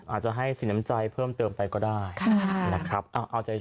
อาจจะให้สิ้นน้ำใจเพิ่มเติมไปก็ได้